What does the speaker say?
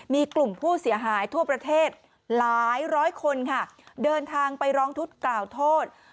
มีกลุ่มผู้เสียหายทั่วประเทศหลายร้อยคนค่ะเดินทางไปร้องทุกข์กล่าวโทษ